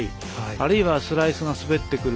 あるいはスライスが滑ってくる。